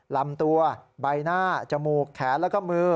ลำตัวใบหน้าจมูกแขนแล้วก็มือ